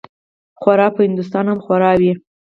خوار په هندوستان هم خوار وي.